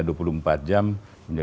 tidak ada tekanan tekanan begitu ya pak ya